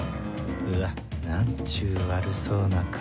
うわ何ちゅう悪そうな顔